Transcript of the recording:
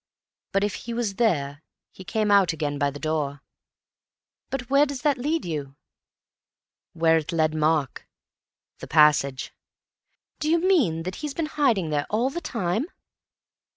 But if he was there, he came out again by the door." "Well, but where does that lead you?" "Where it led Mark. The passage." "Do you mean that he's been hiding there all the time?"